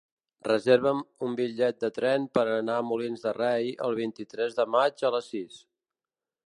Reserva'm un bitllet de tren per anar a Molins de Rei el vint-i-tres de maig a les sis.